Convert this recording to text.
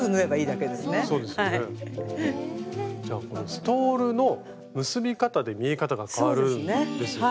じゃあこのストールの結び方で見え方が変わるんですよね。